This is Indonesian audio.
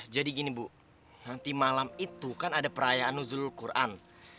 jadi gini bu nanti malam itu kan ada perayaan huzurul quran